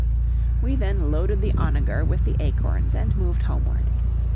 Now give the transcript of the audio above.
We then loaded the onager with the acorns, and moved homeward.